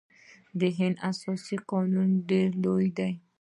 د هند اساسي قانون ډیر لوی دی.